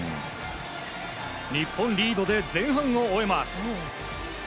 日本リードで前半を終えます。